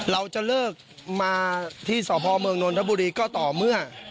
เราจะเลิกมาที่สพเมืองนนทบุรีก็ต่อเมื่อ